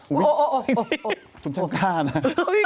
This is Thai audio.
คุณช่างก้านะ